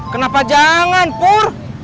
kenapa jangan pur